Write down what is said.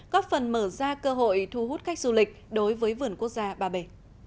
góp phần mở ra cơ hội thu hút khách du lịch đối với vườn quốc gia ba bể